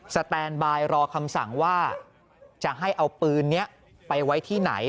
สแตนบายรอคำสั่งว่าจะให้เอาปืนนี้ไปไว้ที่ไหน